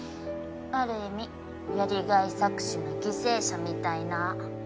ある意味やりがい搾取の犠牲者みたいな。